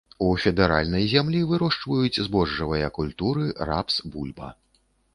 У федэральнай зямлі вырошчваюць збожжавыя культуры, рапс, бульба.